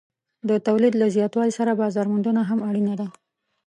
د تولید له زیاتوالي سره بازار موندنه هم اړینه ده.